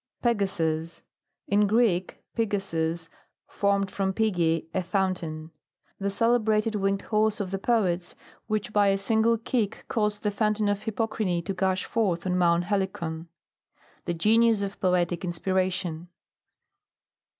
13* PEGASUS. In Greek, pagasos, formed irom pege, a fountain. The celebra ted winged horse of the poets, which, by a single kick caused the foun tain of Hippocrene to gush forth on Mount Helicon. The genius of poetic inspiration.